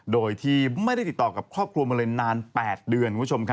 โดยที่ไม่ได้ติดต่อกับครอบครัวมาเลยนาน๘เดือนคุณผู้ชม